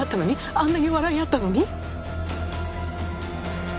あんなに笑い合ったのに？